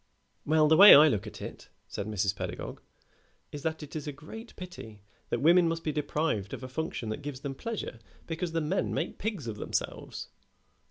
"Well, the way I look at it," said Mrs. Pedagog, "is that it is a great pity that women must be deprived of a function that gives them pleasure because the men make pigs of themselves."